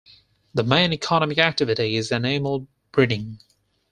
The main economic activity is animal breeding.